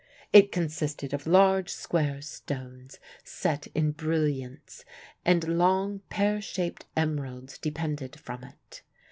It consisted of large square stones set in brilliants, and long pear shaped emeralds depended from it.